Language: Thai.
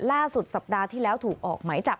ล่าสุดสัปดาห์ที่แล้วถูกออกไหมจับ